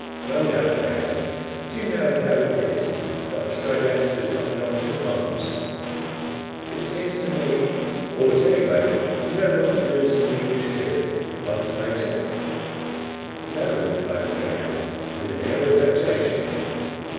Well now, Paganel, do you know how it is that Australia does not belong to France?" "But it seems to me " "Or, at any rate, do you know what's the reason the English give?" asked the Major. "No," replied Paganel, with an air of vexation.